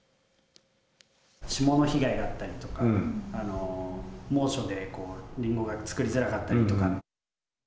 霜の被害だったりとか猛暑でりんごが作りづらかったりとか。